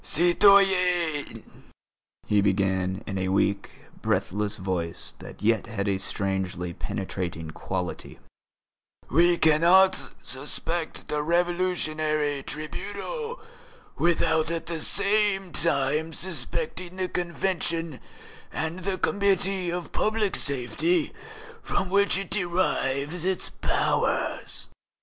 "Citoyens," he began, in a weak, breathless voice that yet had a strangely penetrating quality, "we cannot suspect the Revolutionary Tribunal without at the same time suspecting the Convention and the Committee of Public Safety from which it derives its powers.